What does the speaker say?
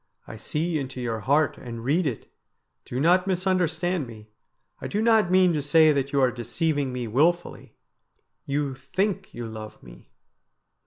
' I see into your heart and read it. Do not misunderstand me. I do not mean to say that you are deceiving me wilfully. You think you love me.'